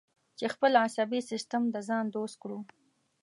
چې خپل عصبي سیستم د ځان دوست کړو.